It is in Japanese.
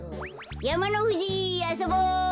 やまのふじあそぼ！